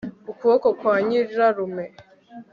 ukuboko kwa nyirarume